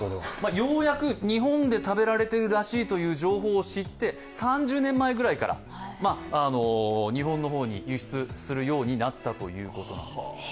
ようやく日本で食べられているらしいという情報を知って、３０年前ぐらいから日本の方に輸出するようになったということなんです。